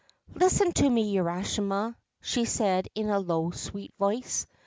' Listen to me, Urashima, 1 she said in a low, sweet voice.